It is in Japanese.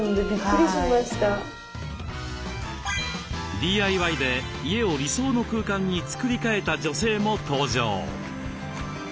ＤＩＹで家を理想の空間に作り替えた女性も登場。